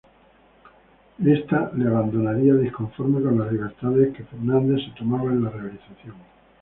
Éste la abandonaría, disconforme con las libertades que Fernández se tomaba en la realización.